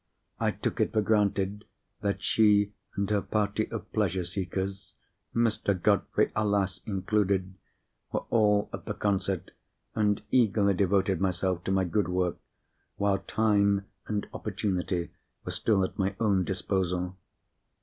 I took it for granted that she and her party of pleasure seekers (Mr. Godfrey, alas! included) were all at the concert, and eagerly devoted myself to my good work, while time and opportunity were still at my own disposal.